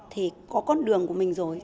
thì có con đường của mình rồi